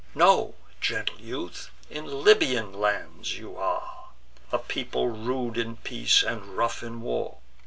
Know, gentle youth, in Libyan lands you are: A people rude in peace, and rough in war.